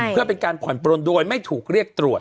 เพื่อเป็นการผ่อนปลนโดยไม่ถูกเรียกตรวจ